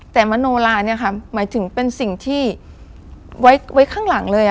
แต่มโนลาคือสิ่งที่ไว้ข้างหลังเลย